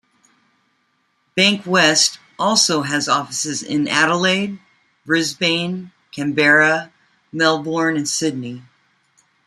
Bankwest also has offices in Adelaide, Brisbane, Canberra, Melbourne and Sydney.